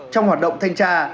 trong hoạt động thanh tra